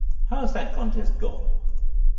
How has that contest gone?